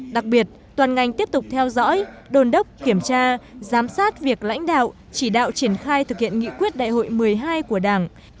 đặc biệt toàn ngành tiếp tục theo dõi đồn đốc kiểm tra giám sát việc lãnh đạo chỉ đạo triển khai thực hiện nghị quyết đại hội một mươi hai của đảng